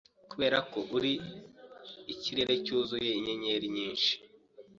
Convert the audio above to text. Kuberako uri ikirere cyuzuye inyenyeri nyinshi